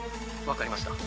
分かりました。